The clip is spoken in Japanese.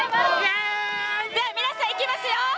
皆さん、いきますよ！